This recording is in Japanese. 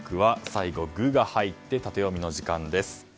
最後「グ」が入ってタテヨミの時間です。